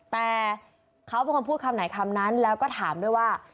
แต่เขาเป็นคนพูดคำไหนคำนั้นแล้วก็ถามด้วยว่า